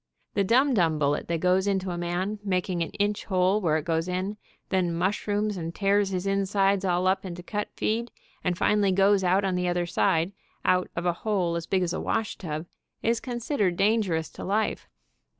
The dum dum bullet that goes into a man, making an inch, hole where it goes in, then mush rooms and tears his insides all up into cut feed, and finally goes out on the other side, out of a hole as big as a washtub, is considered dangerous to life, but Keep kicking until all were laid out.